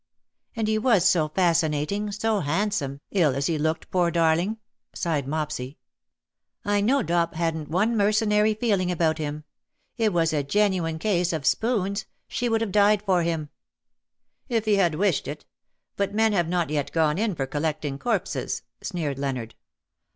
'^" And he was so fascinating, so handsome, ill as he looked, poor darling/' sighed Mopsy. '^ I know TOL. III. N 178 "thou shouldst come like a fury Dop hadn't one mercenary feeling about Mm. It was a genuine case of spoons — she would have died for him/"* " If he had wished it ; but men have not yet gone in for collecting corpses/' sneered Leonard.